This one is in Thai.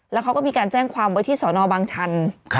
แล้วเขาก็มีการแจ้งความไว้ที่สอนอบางชัน